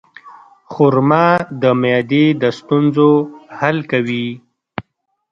خرما د معدې د ستونزو حل کوي.